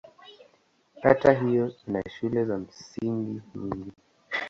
Kata hiyo ina shule za msingi nyingi.